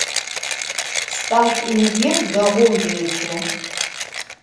St'aşsu Yinvêr değou yêce.